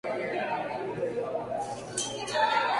Es posible que ambas fueran nombres tempranos para la V "Macedonica".